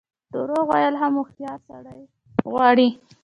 درواغ ویل هم هوښیار سړی غواړي.